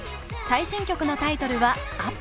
最新曲のタイトルは「Ｕｐ！」。